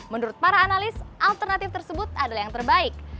menurut para analis alternatif tersebut adalah yang terbaik